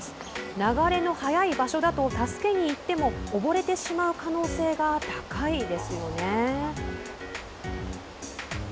流れの速い場所だと助けに行っても、溺れてしまう可能性が高いですよね。